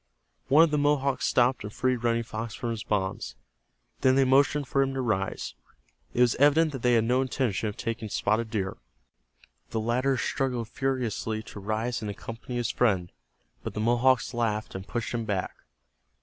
One of the Mohawks stooped and freed Running Fox from his bonds. Then they motioned for him to rise. It was evident that they had no intention of taking Spotted Deer. The latter struggled furiously to rise and accompany his friend, but the Mohawks laughed and pushed him back.